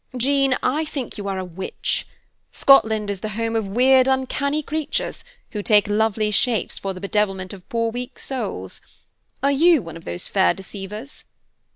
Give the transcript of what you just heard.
Jean, I think you are a witch. Scotland is the home of weird, uncanny creatures, who take lovely shapes for the bedevilment of poor weak souls. Are you one of those fair deceivers?"